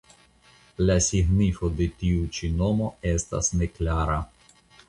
La signifo de tiu ĉi nomo estas neklara.